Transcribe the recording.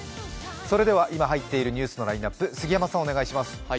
それでは今入っているニュースのラインナップ杉山さん、お願いします。